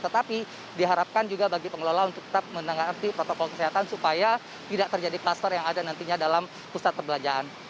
tetapi diharapkan juga bagi pengelola untuk tetap menengati protokol kesehatan supaya tidak terjadi klaster yang ada nantinya dalam pusat perbelanjaan